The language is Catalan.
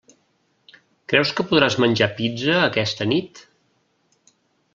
Creus que podràs menjar pizza aquesta nit?